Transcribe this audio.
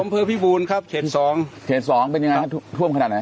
ผมเพื่อพี่บูนครับเหตุสองเหตุสองเป็นยังไงฮะท่วมขนาดไหน